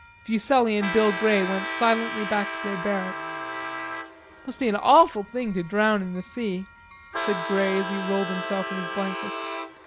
Fuselli and Bill Grey went silently back to their barracks. "It must be an awful thing to drown in the sea," said Grey as he rolled himself in his blankets.